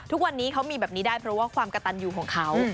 ทุกวันนี้เขามีแบบนี้ได้เพราะว่าความกระตันอยู่ของเขา